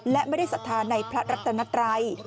และไม่ได้ศรัทธาในพระรัตนัตรัย